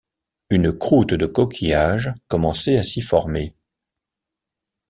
Une croûte de coquillages commençait à s’y former.